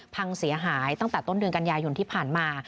พังเสียหายตั้งแต่ต้นเดือนกันยายนที่ผ่านมา